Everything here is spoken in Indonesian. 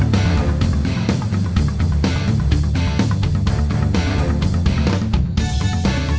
june dari indonesia